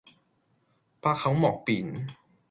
百口莫辯